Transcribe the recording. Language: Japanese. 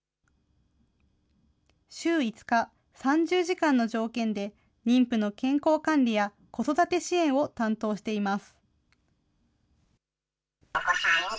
週５日、３０時間の条件で、妊婦の健康管理や子育て支援を担当しています。